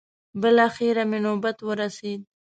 بلاخره مې نوبت ورسېد.